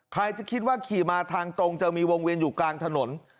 ใครจะคิดว่าขี่มาทางตรงจะมีวงเวียนอยู่กลางถนน